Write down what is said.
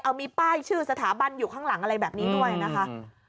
เอามีป้ายชื่อสถาบันอยู่ข้างหลังอะไรแบบนี้ด้วยนะคะ